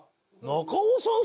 中尾さん